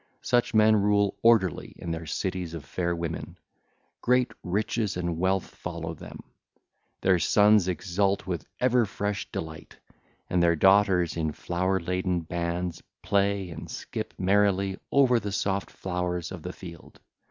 Such men rule orderly in their cities of fair women: great riches and wealth follow them: their sons exult with ever fresh delight, and their daughters in flower laden bands play and skip merrily over the soft flowers of the field.